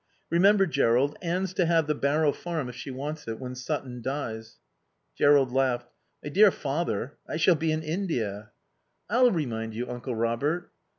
Remember, Jerrold, Anne's to have the Barrow Farm, if she wants it, when Sutton dies." Jerrold laughed. "My dear father, I shall be in India." "I'll remind you, Uncle Robert."